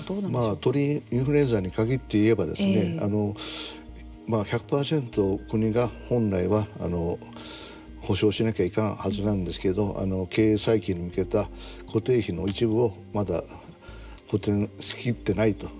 まあ、鳥インフルエンザに限っていえば、１００％国が本来は補償しなきゃいかんはずなんですけど経営再建に向けた固定費の一部をまだ補てんしきってないと。